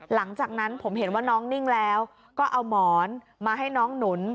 หลังจากนั้นผมเห็นว่าน้องนิ่งแล้วก็เอาหมอนมาให้น้องหนุน